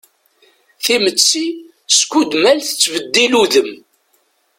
Timetti skudmal tettbeddil udem.